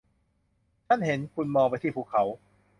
ฉันเห็นคุณมองไปที่ภูเขา